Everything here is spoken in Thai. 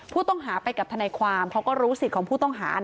ผู้ต้องหาไปกับทนายความเขาก็รู้สิทธิ์ของผู้ต้องหา